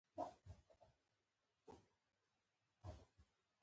بدرنګه چاپېریال د ارام مزاحمت کوي